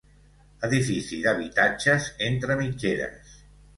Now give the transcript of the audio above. Edifici d'habitatges entre mitgeres.